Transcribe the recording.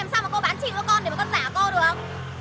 làm sao mà cô bán trung thu cho con để mà con giả cô được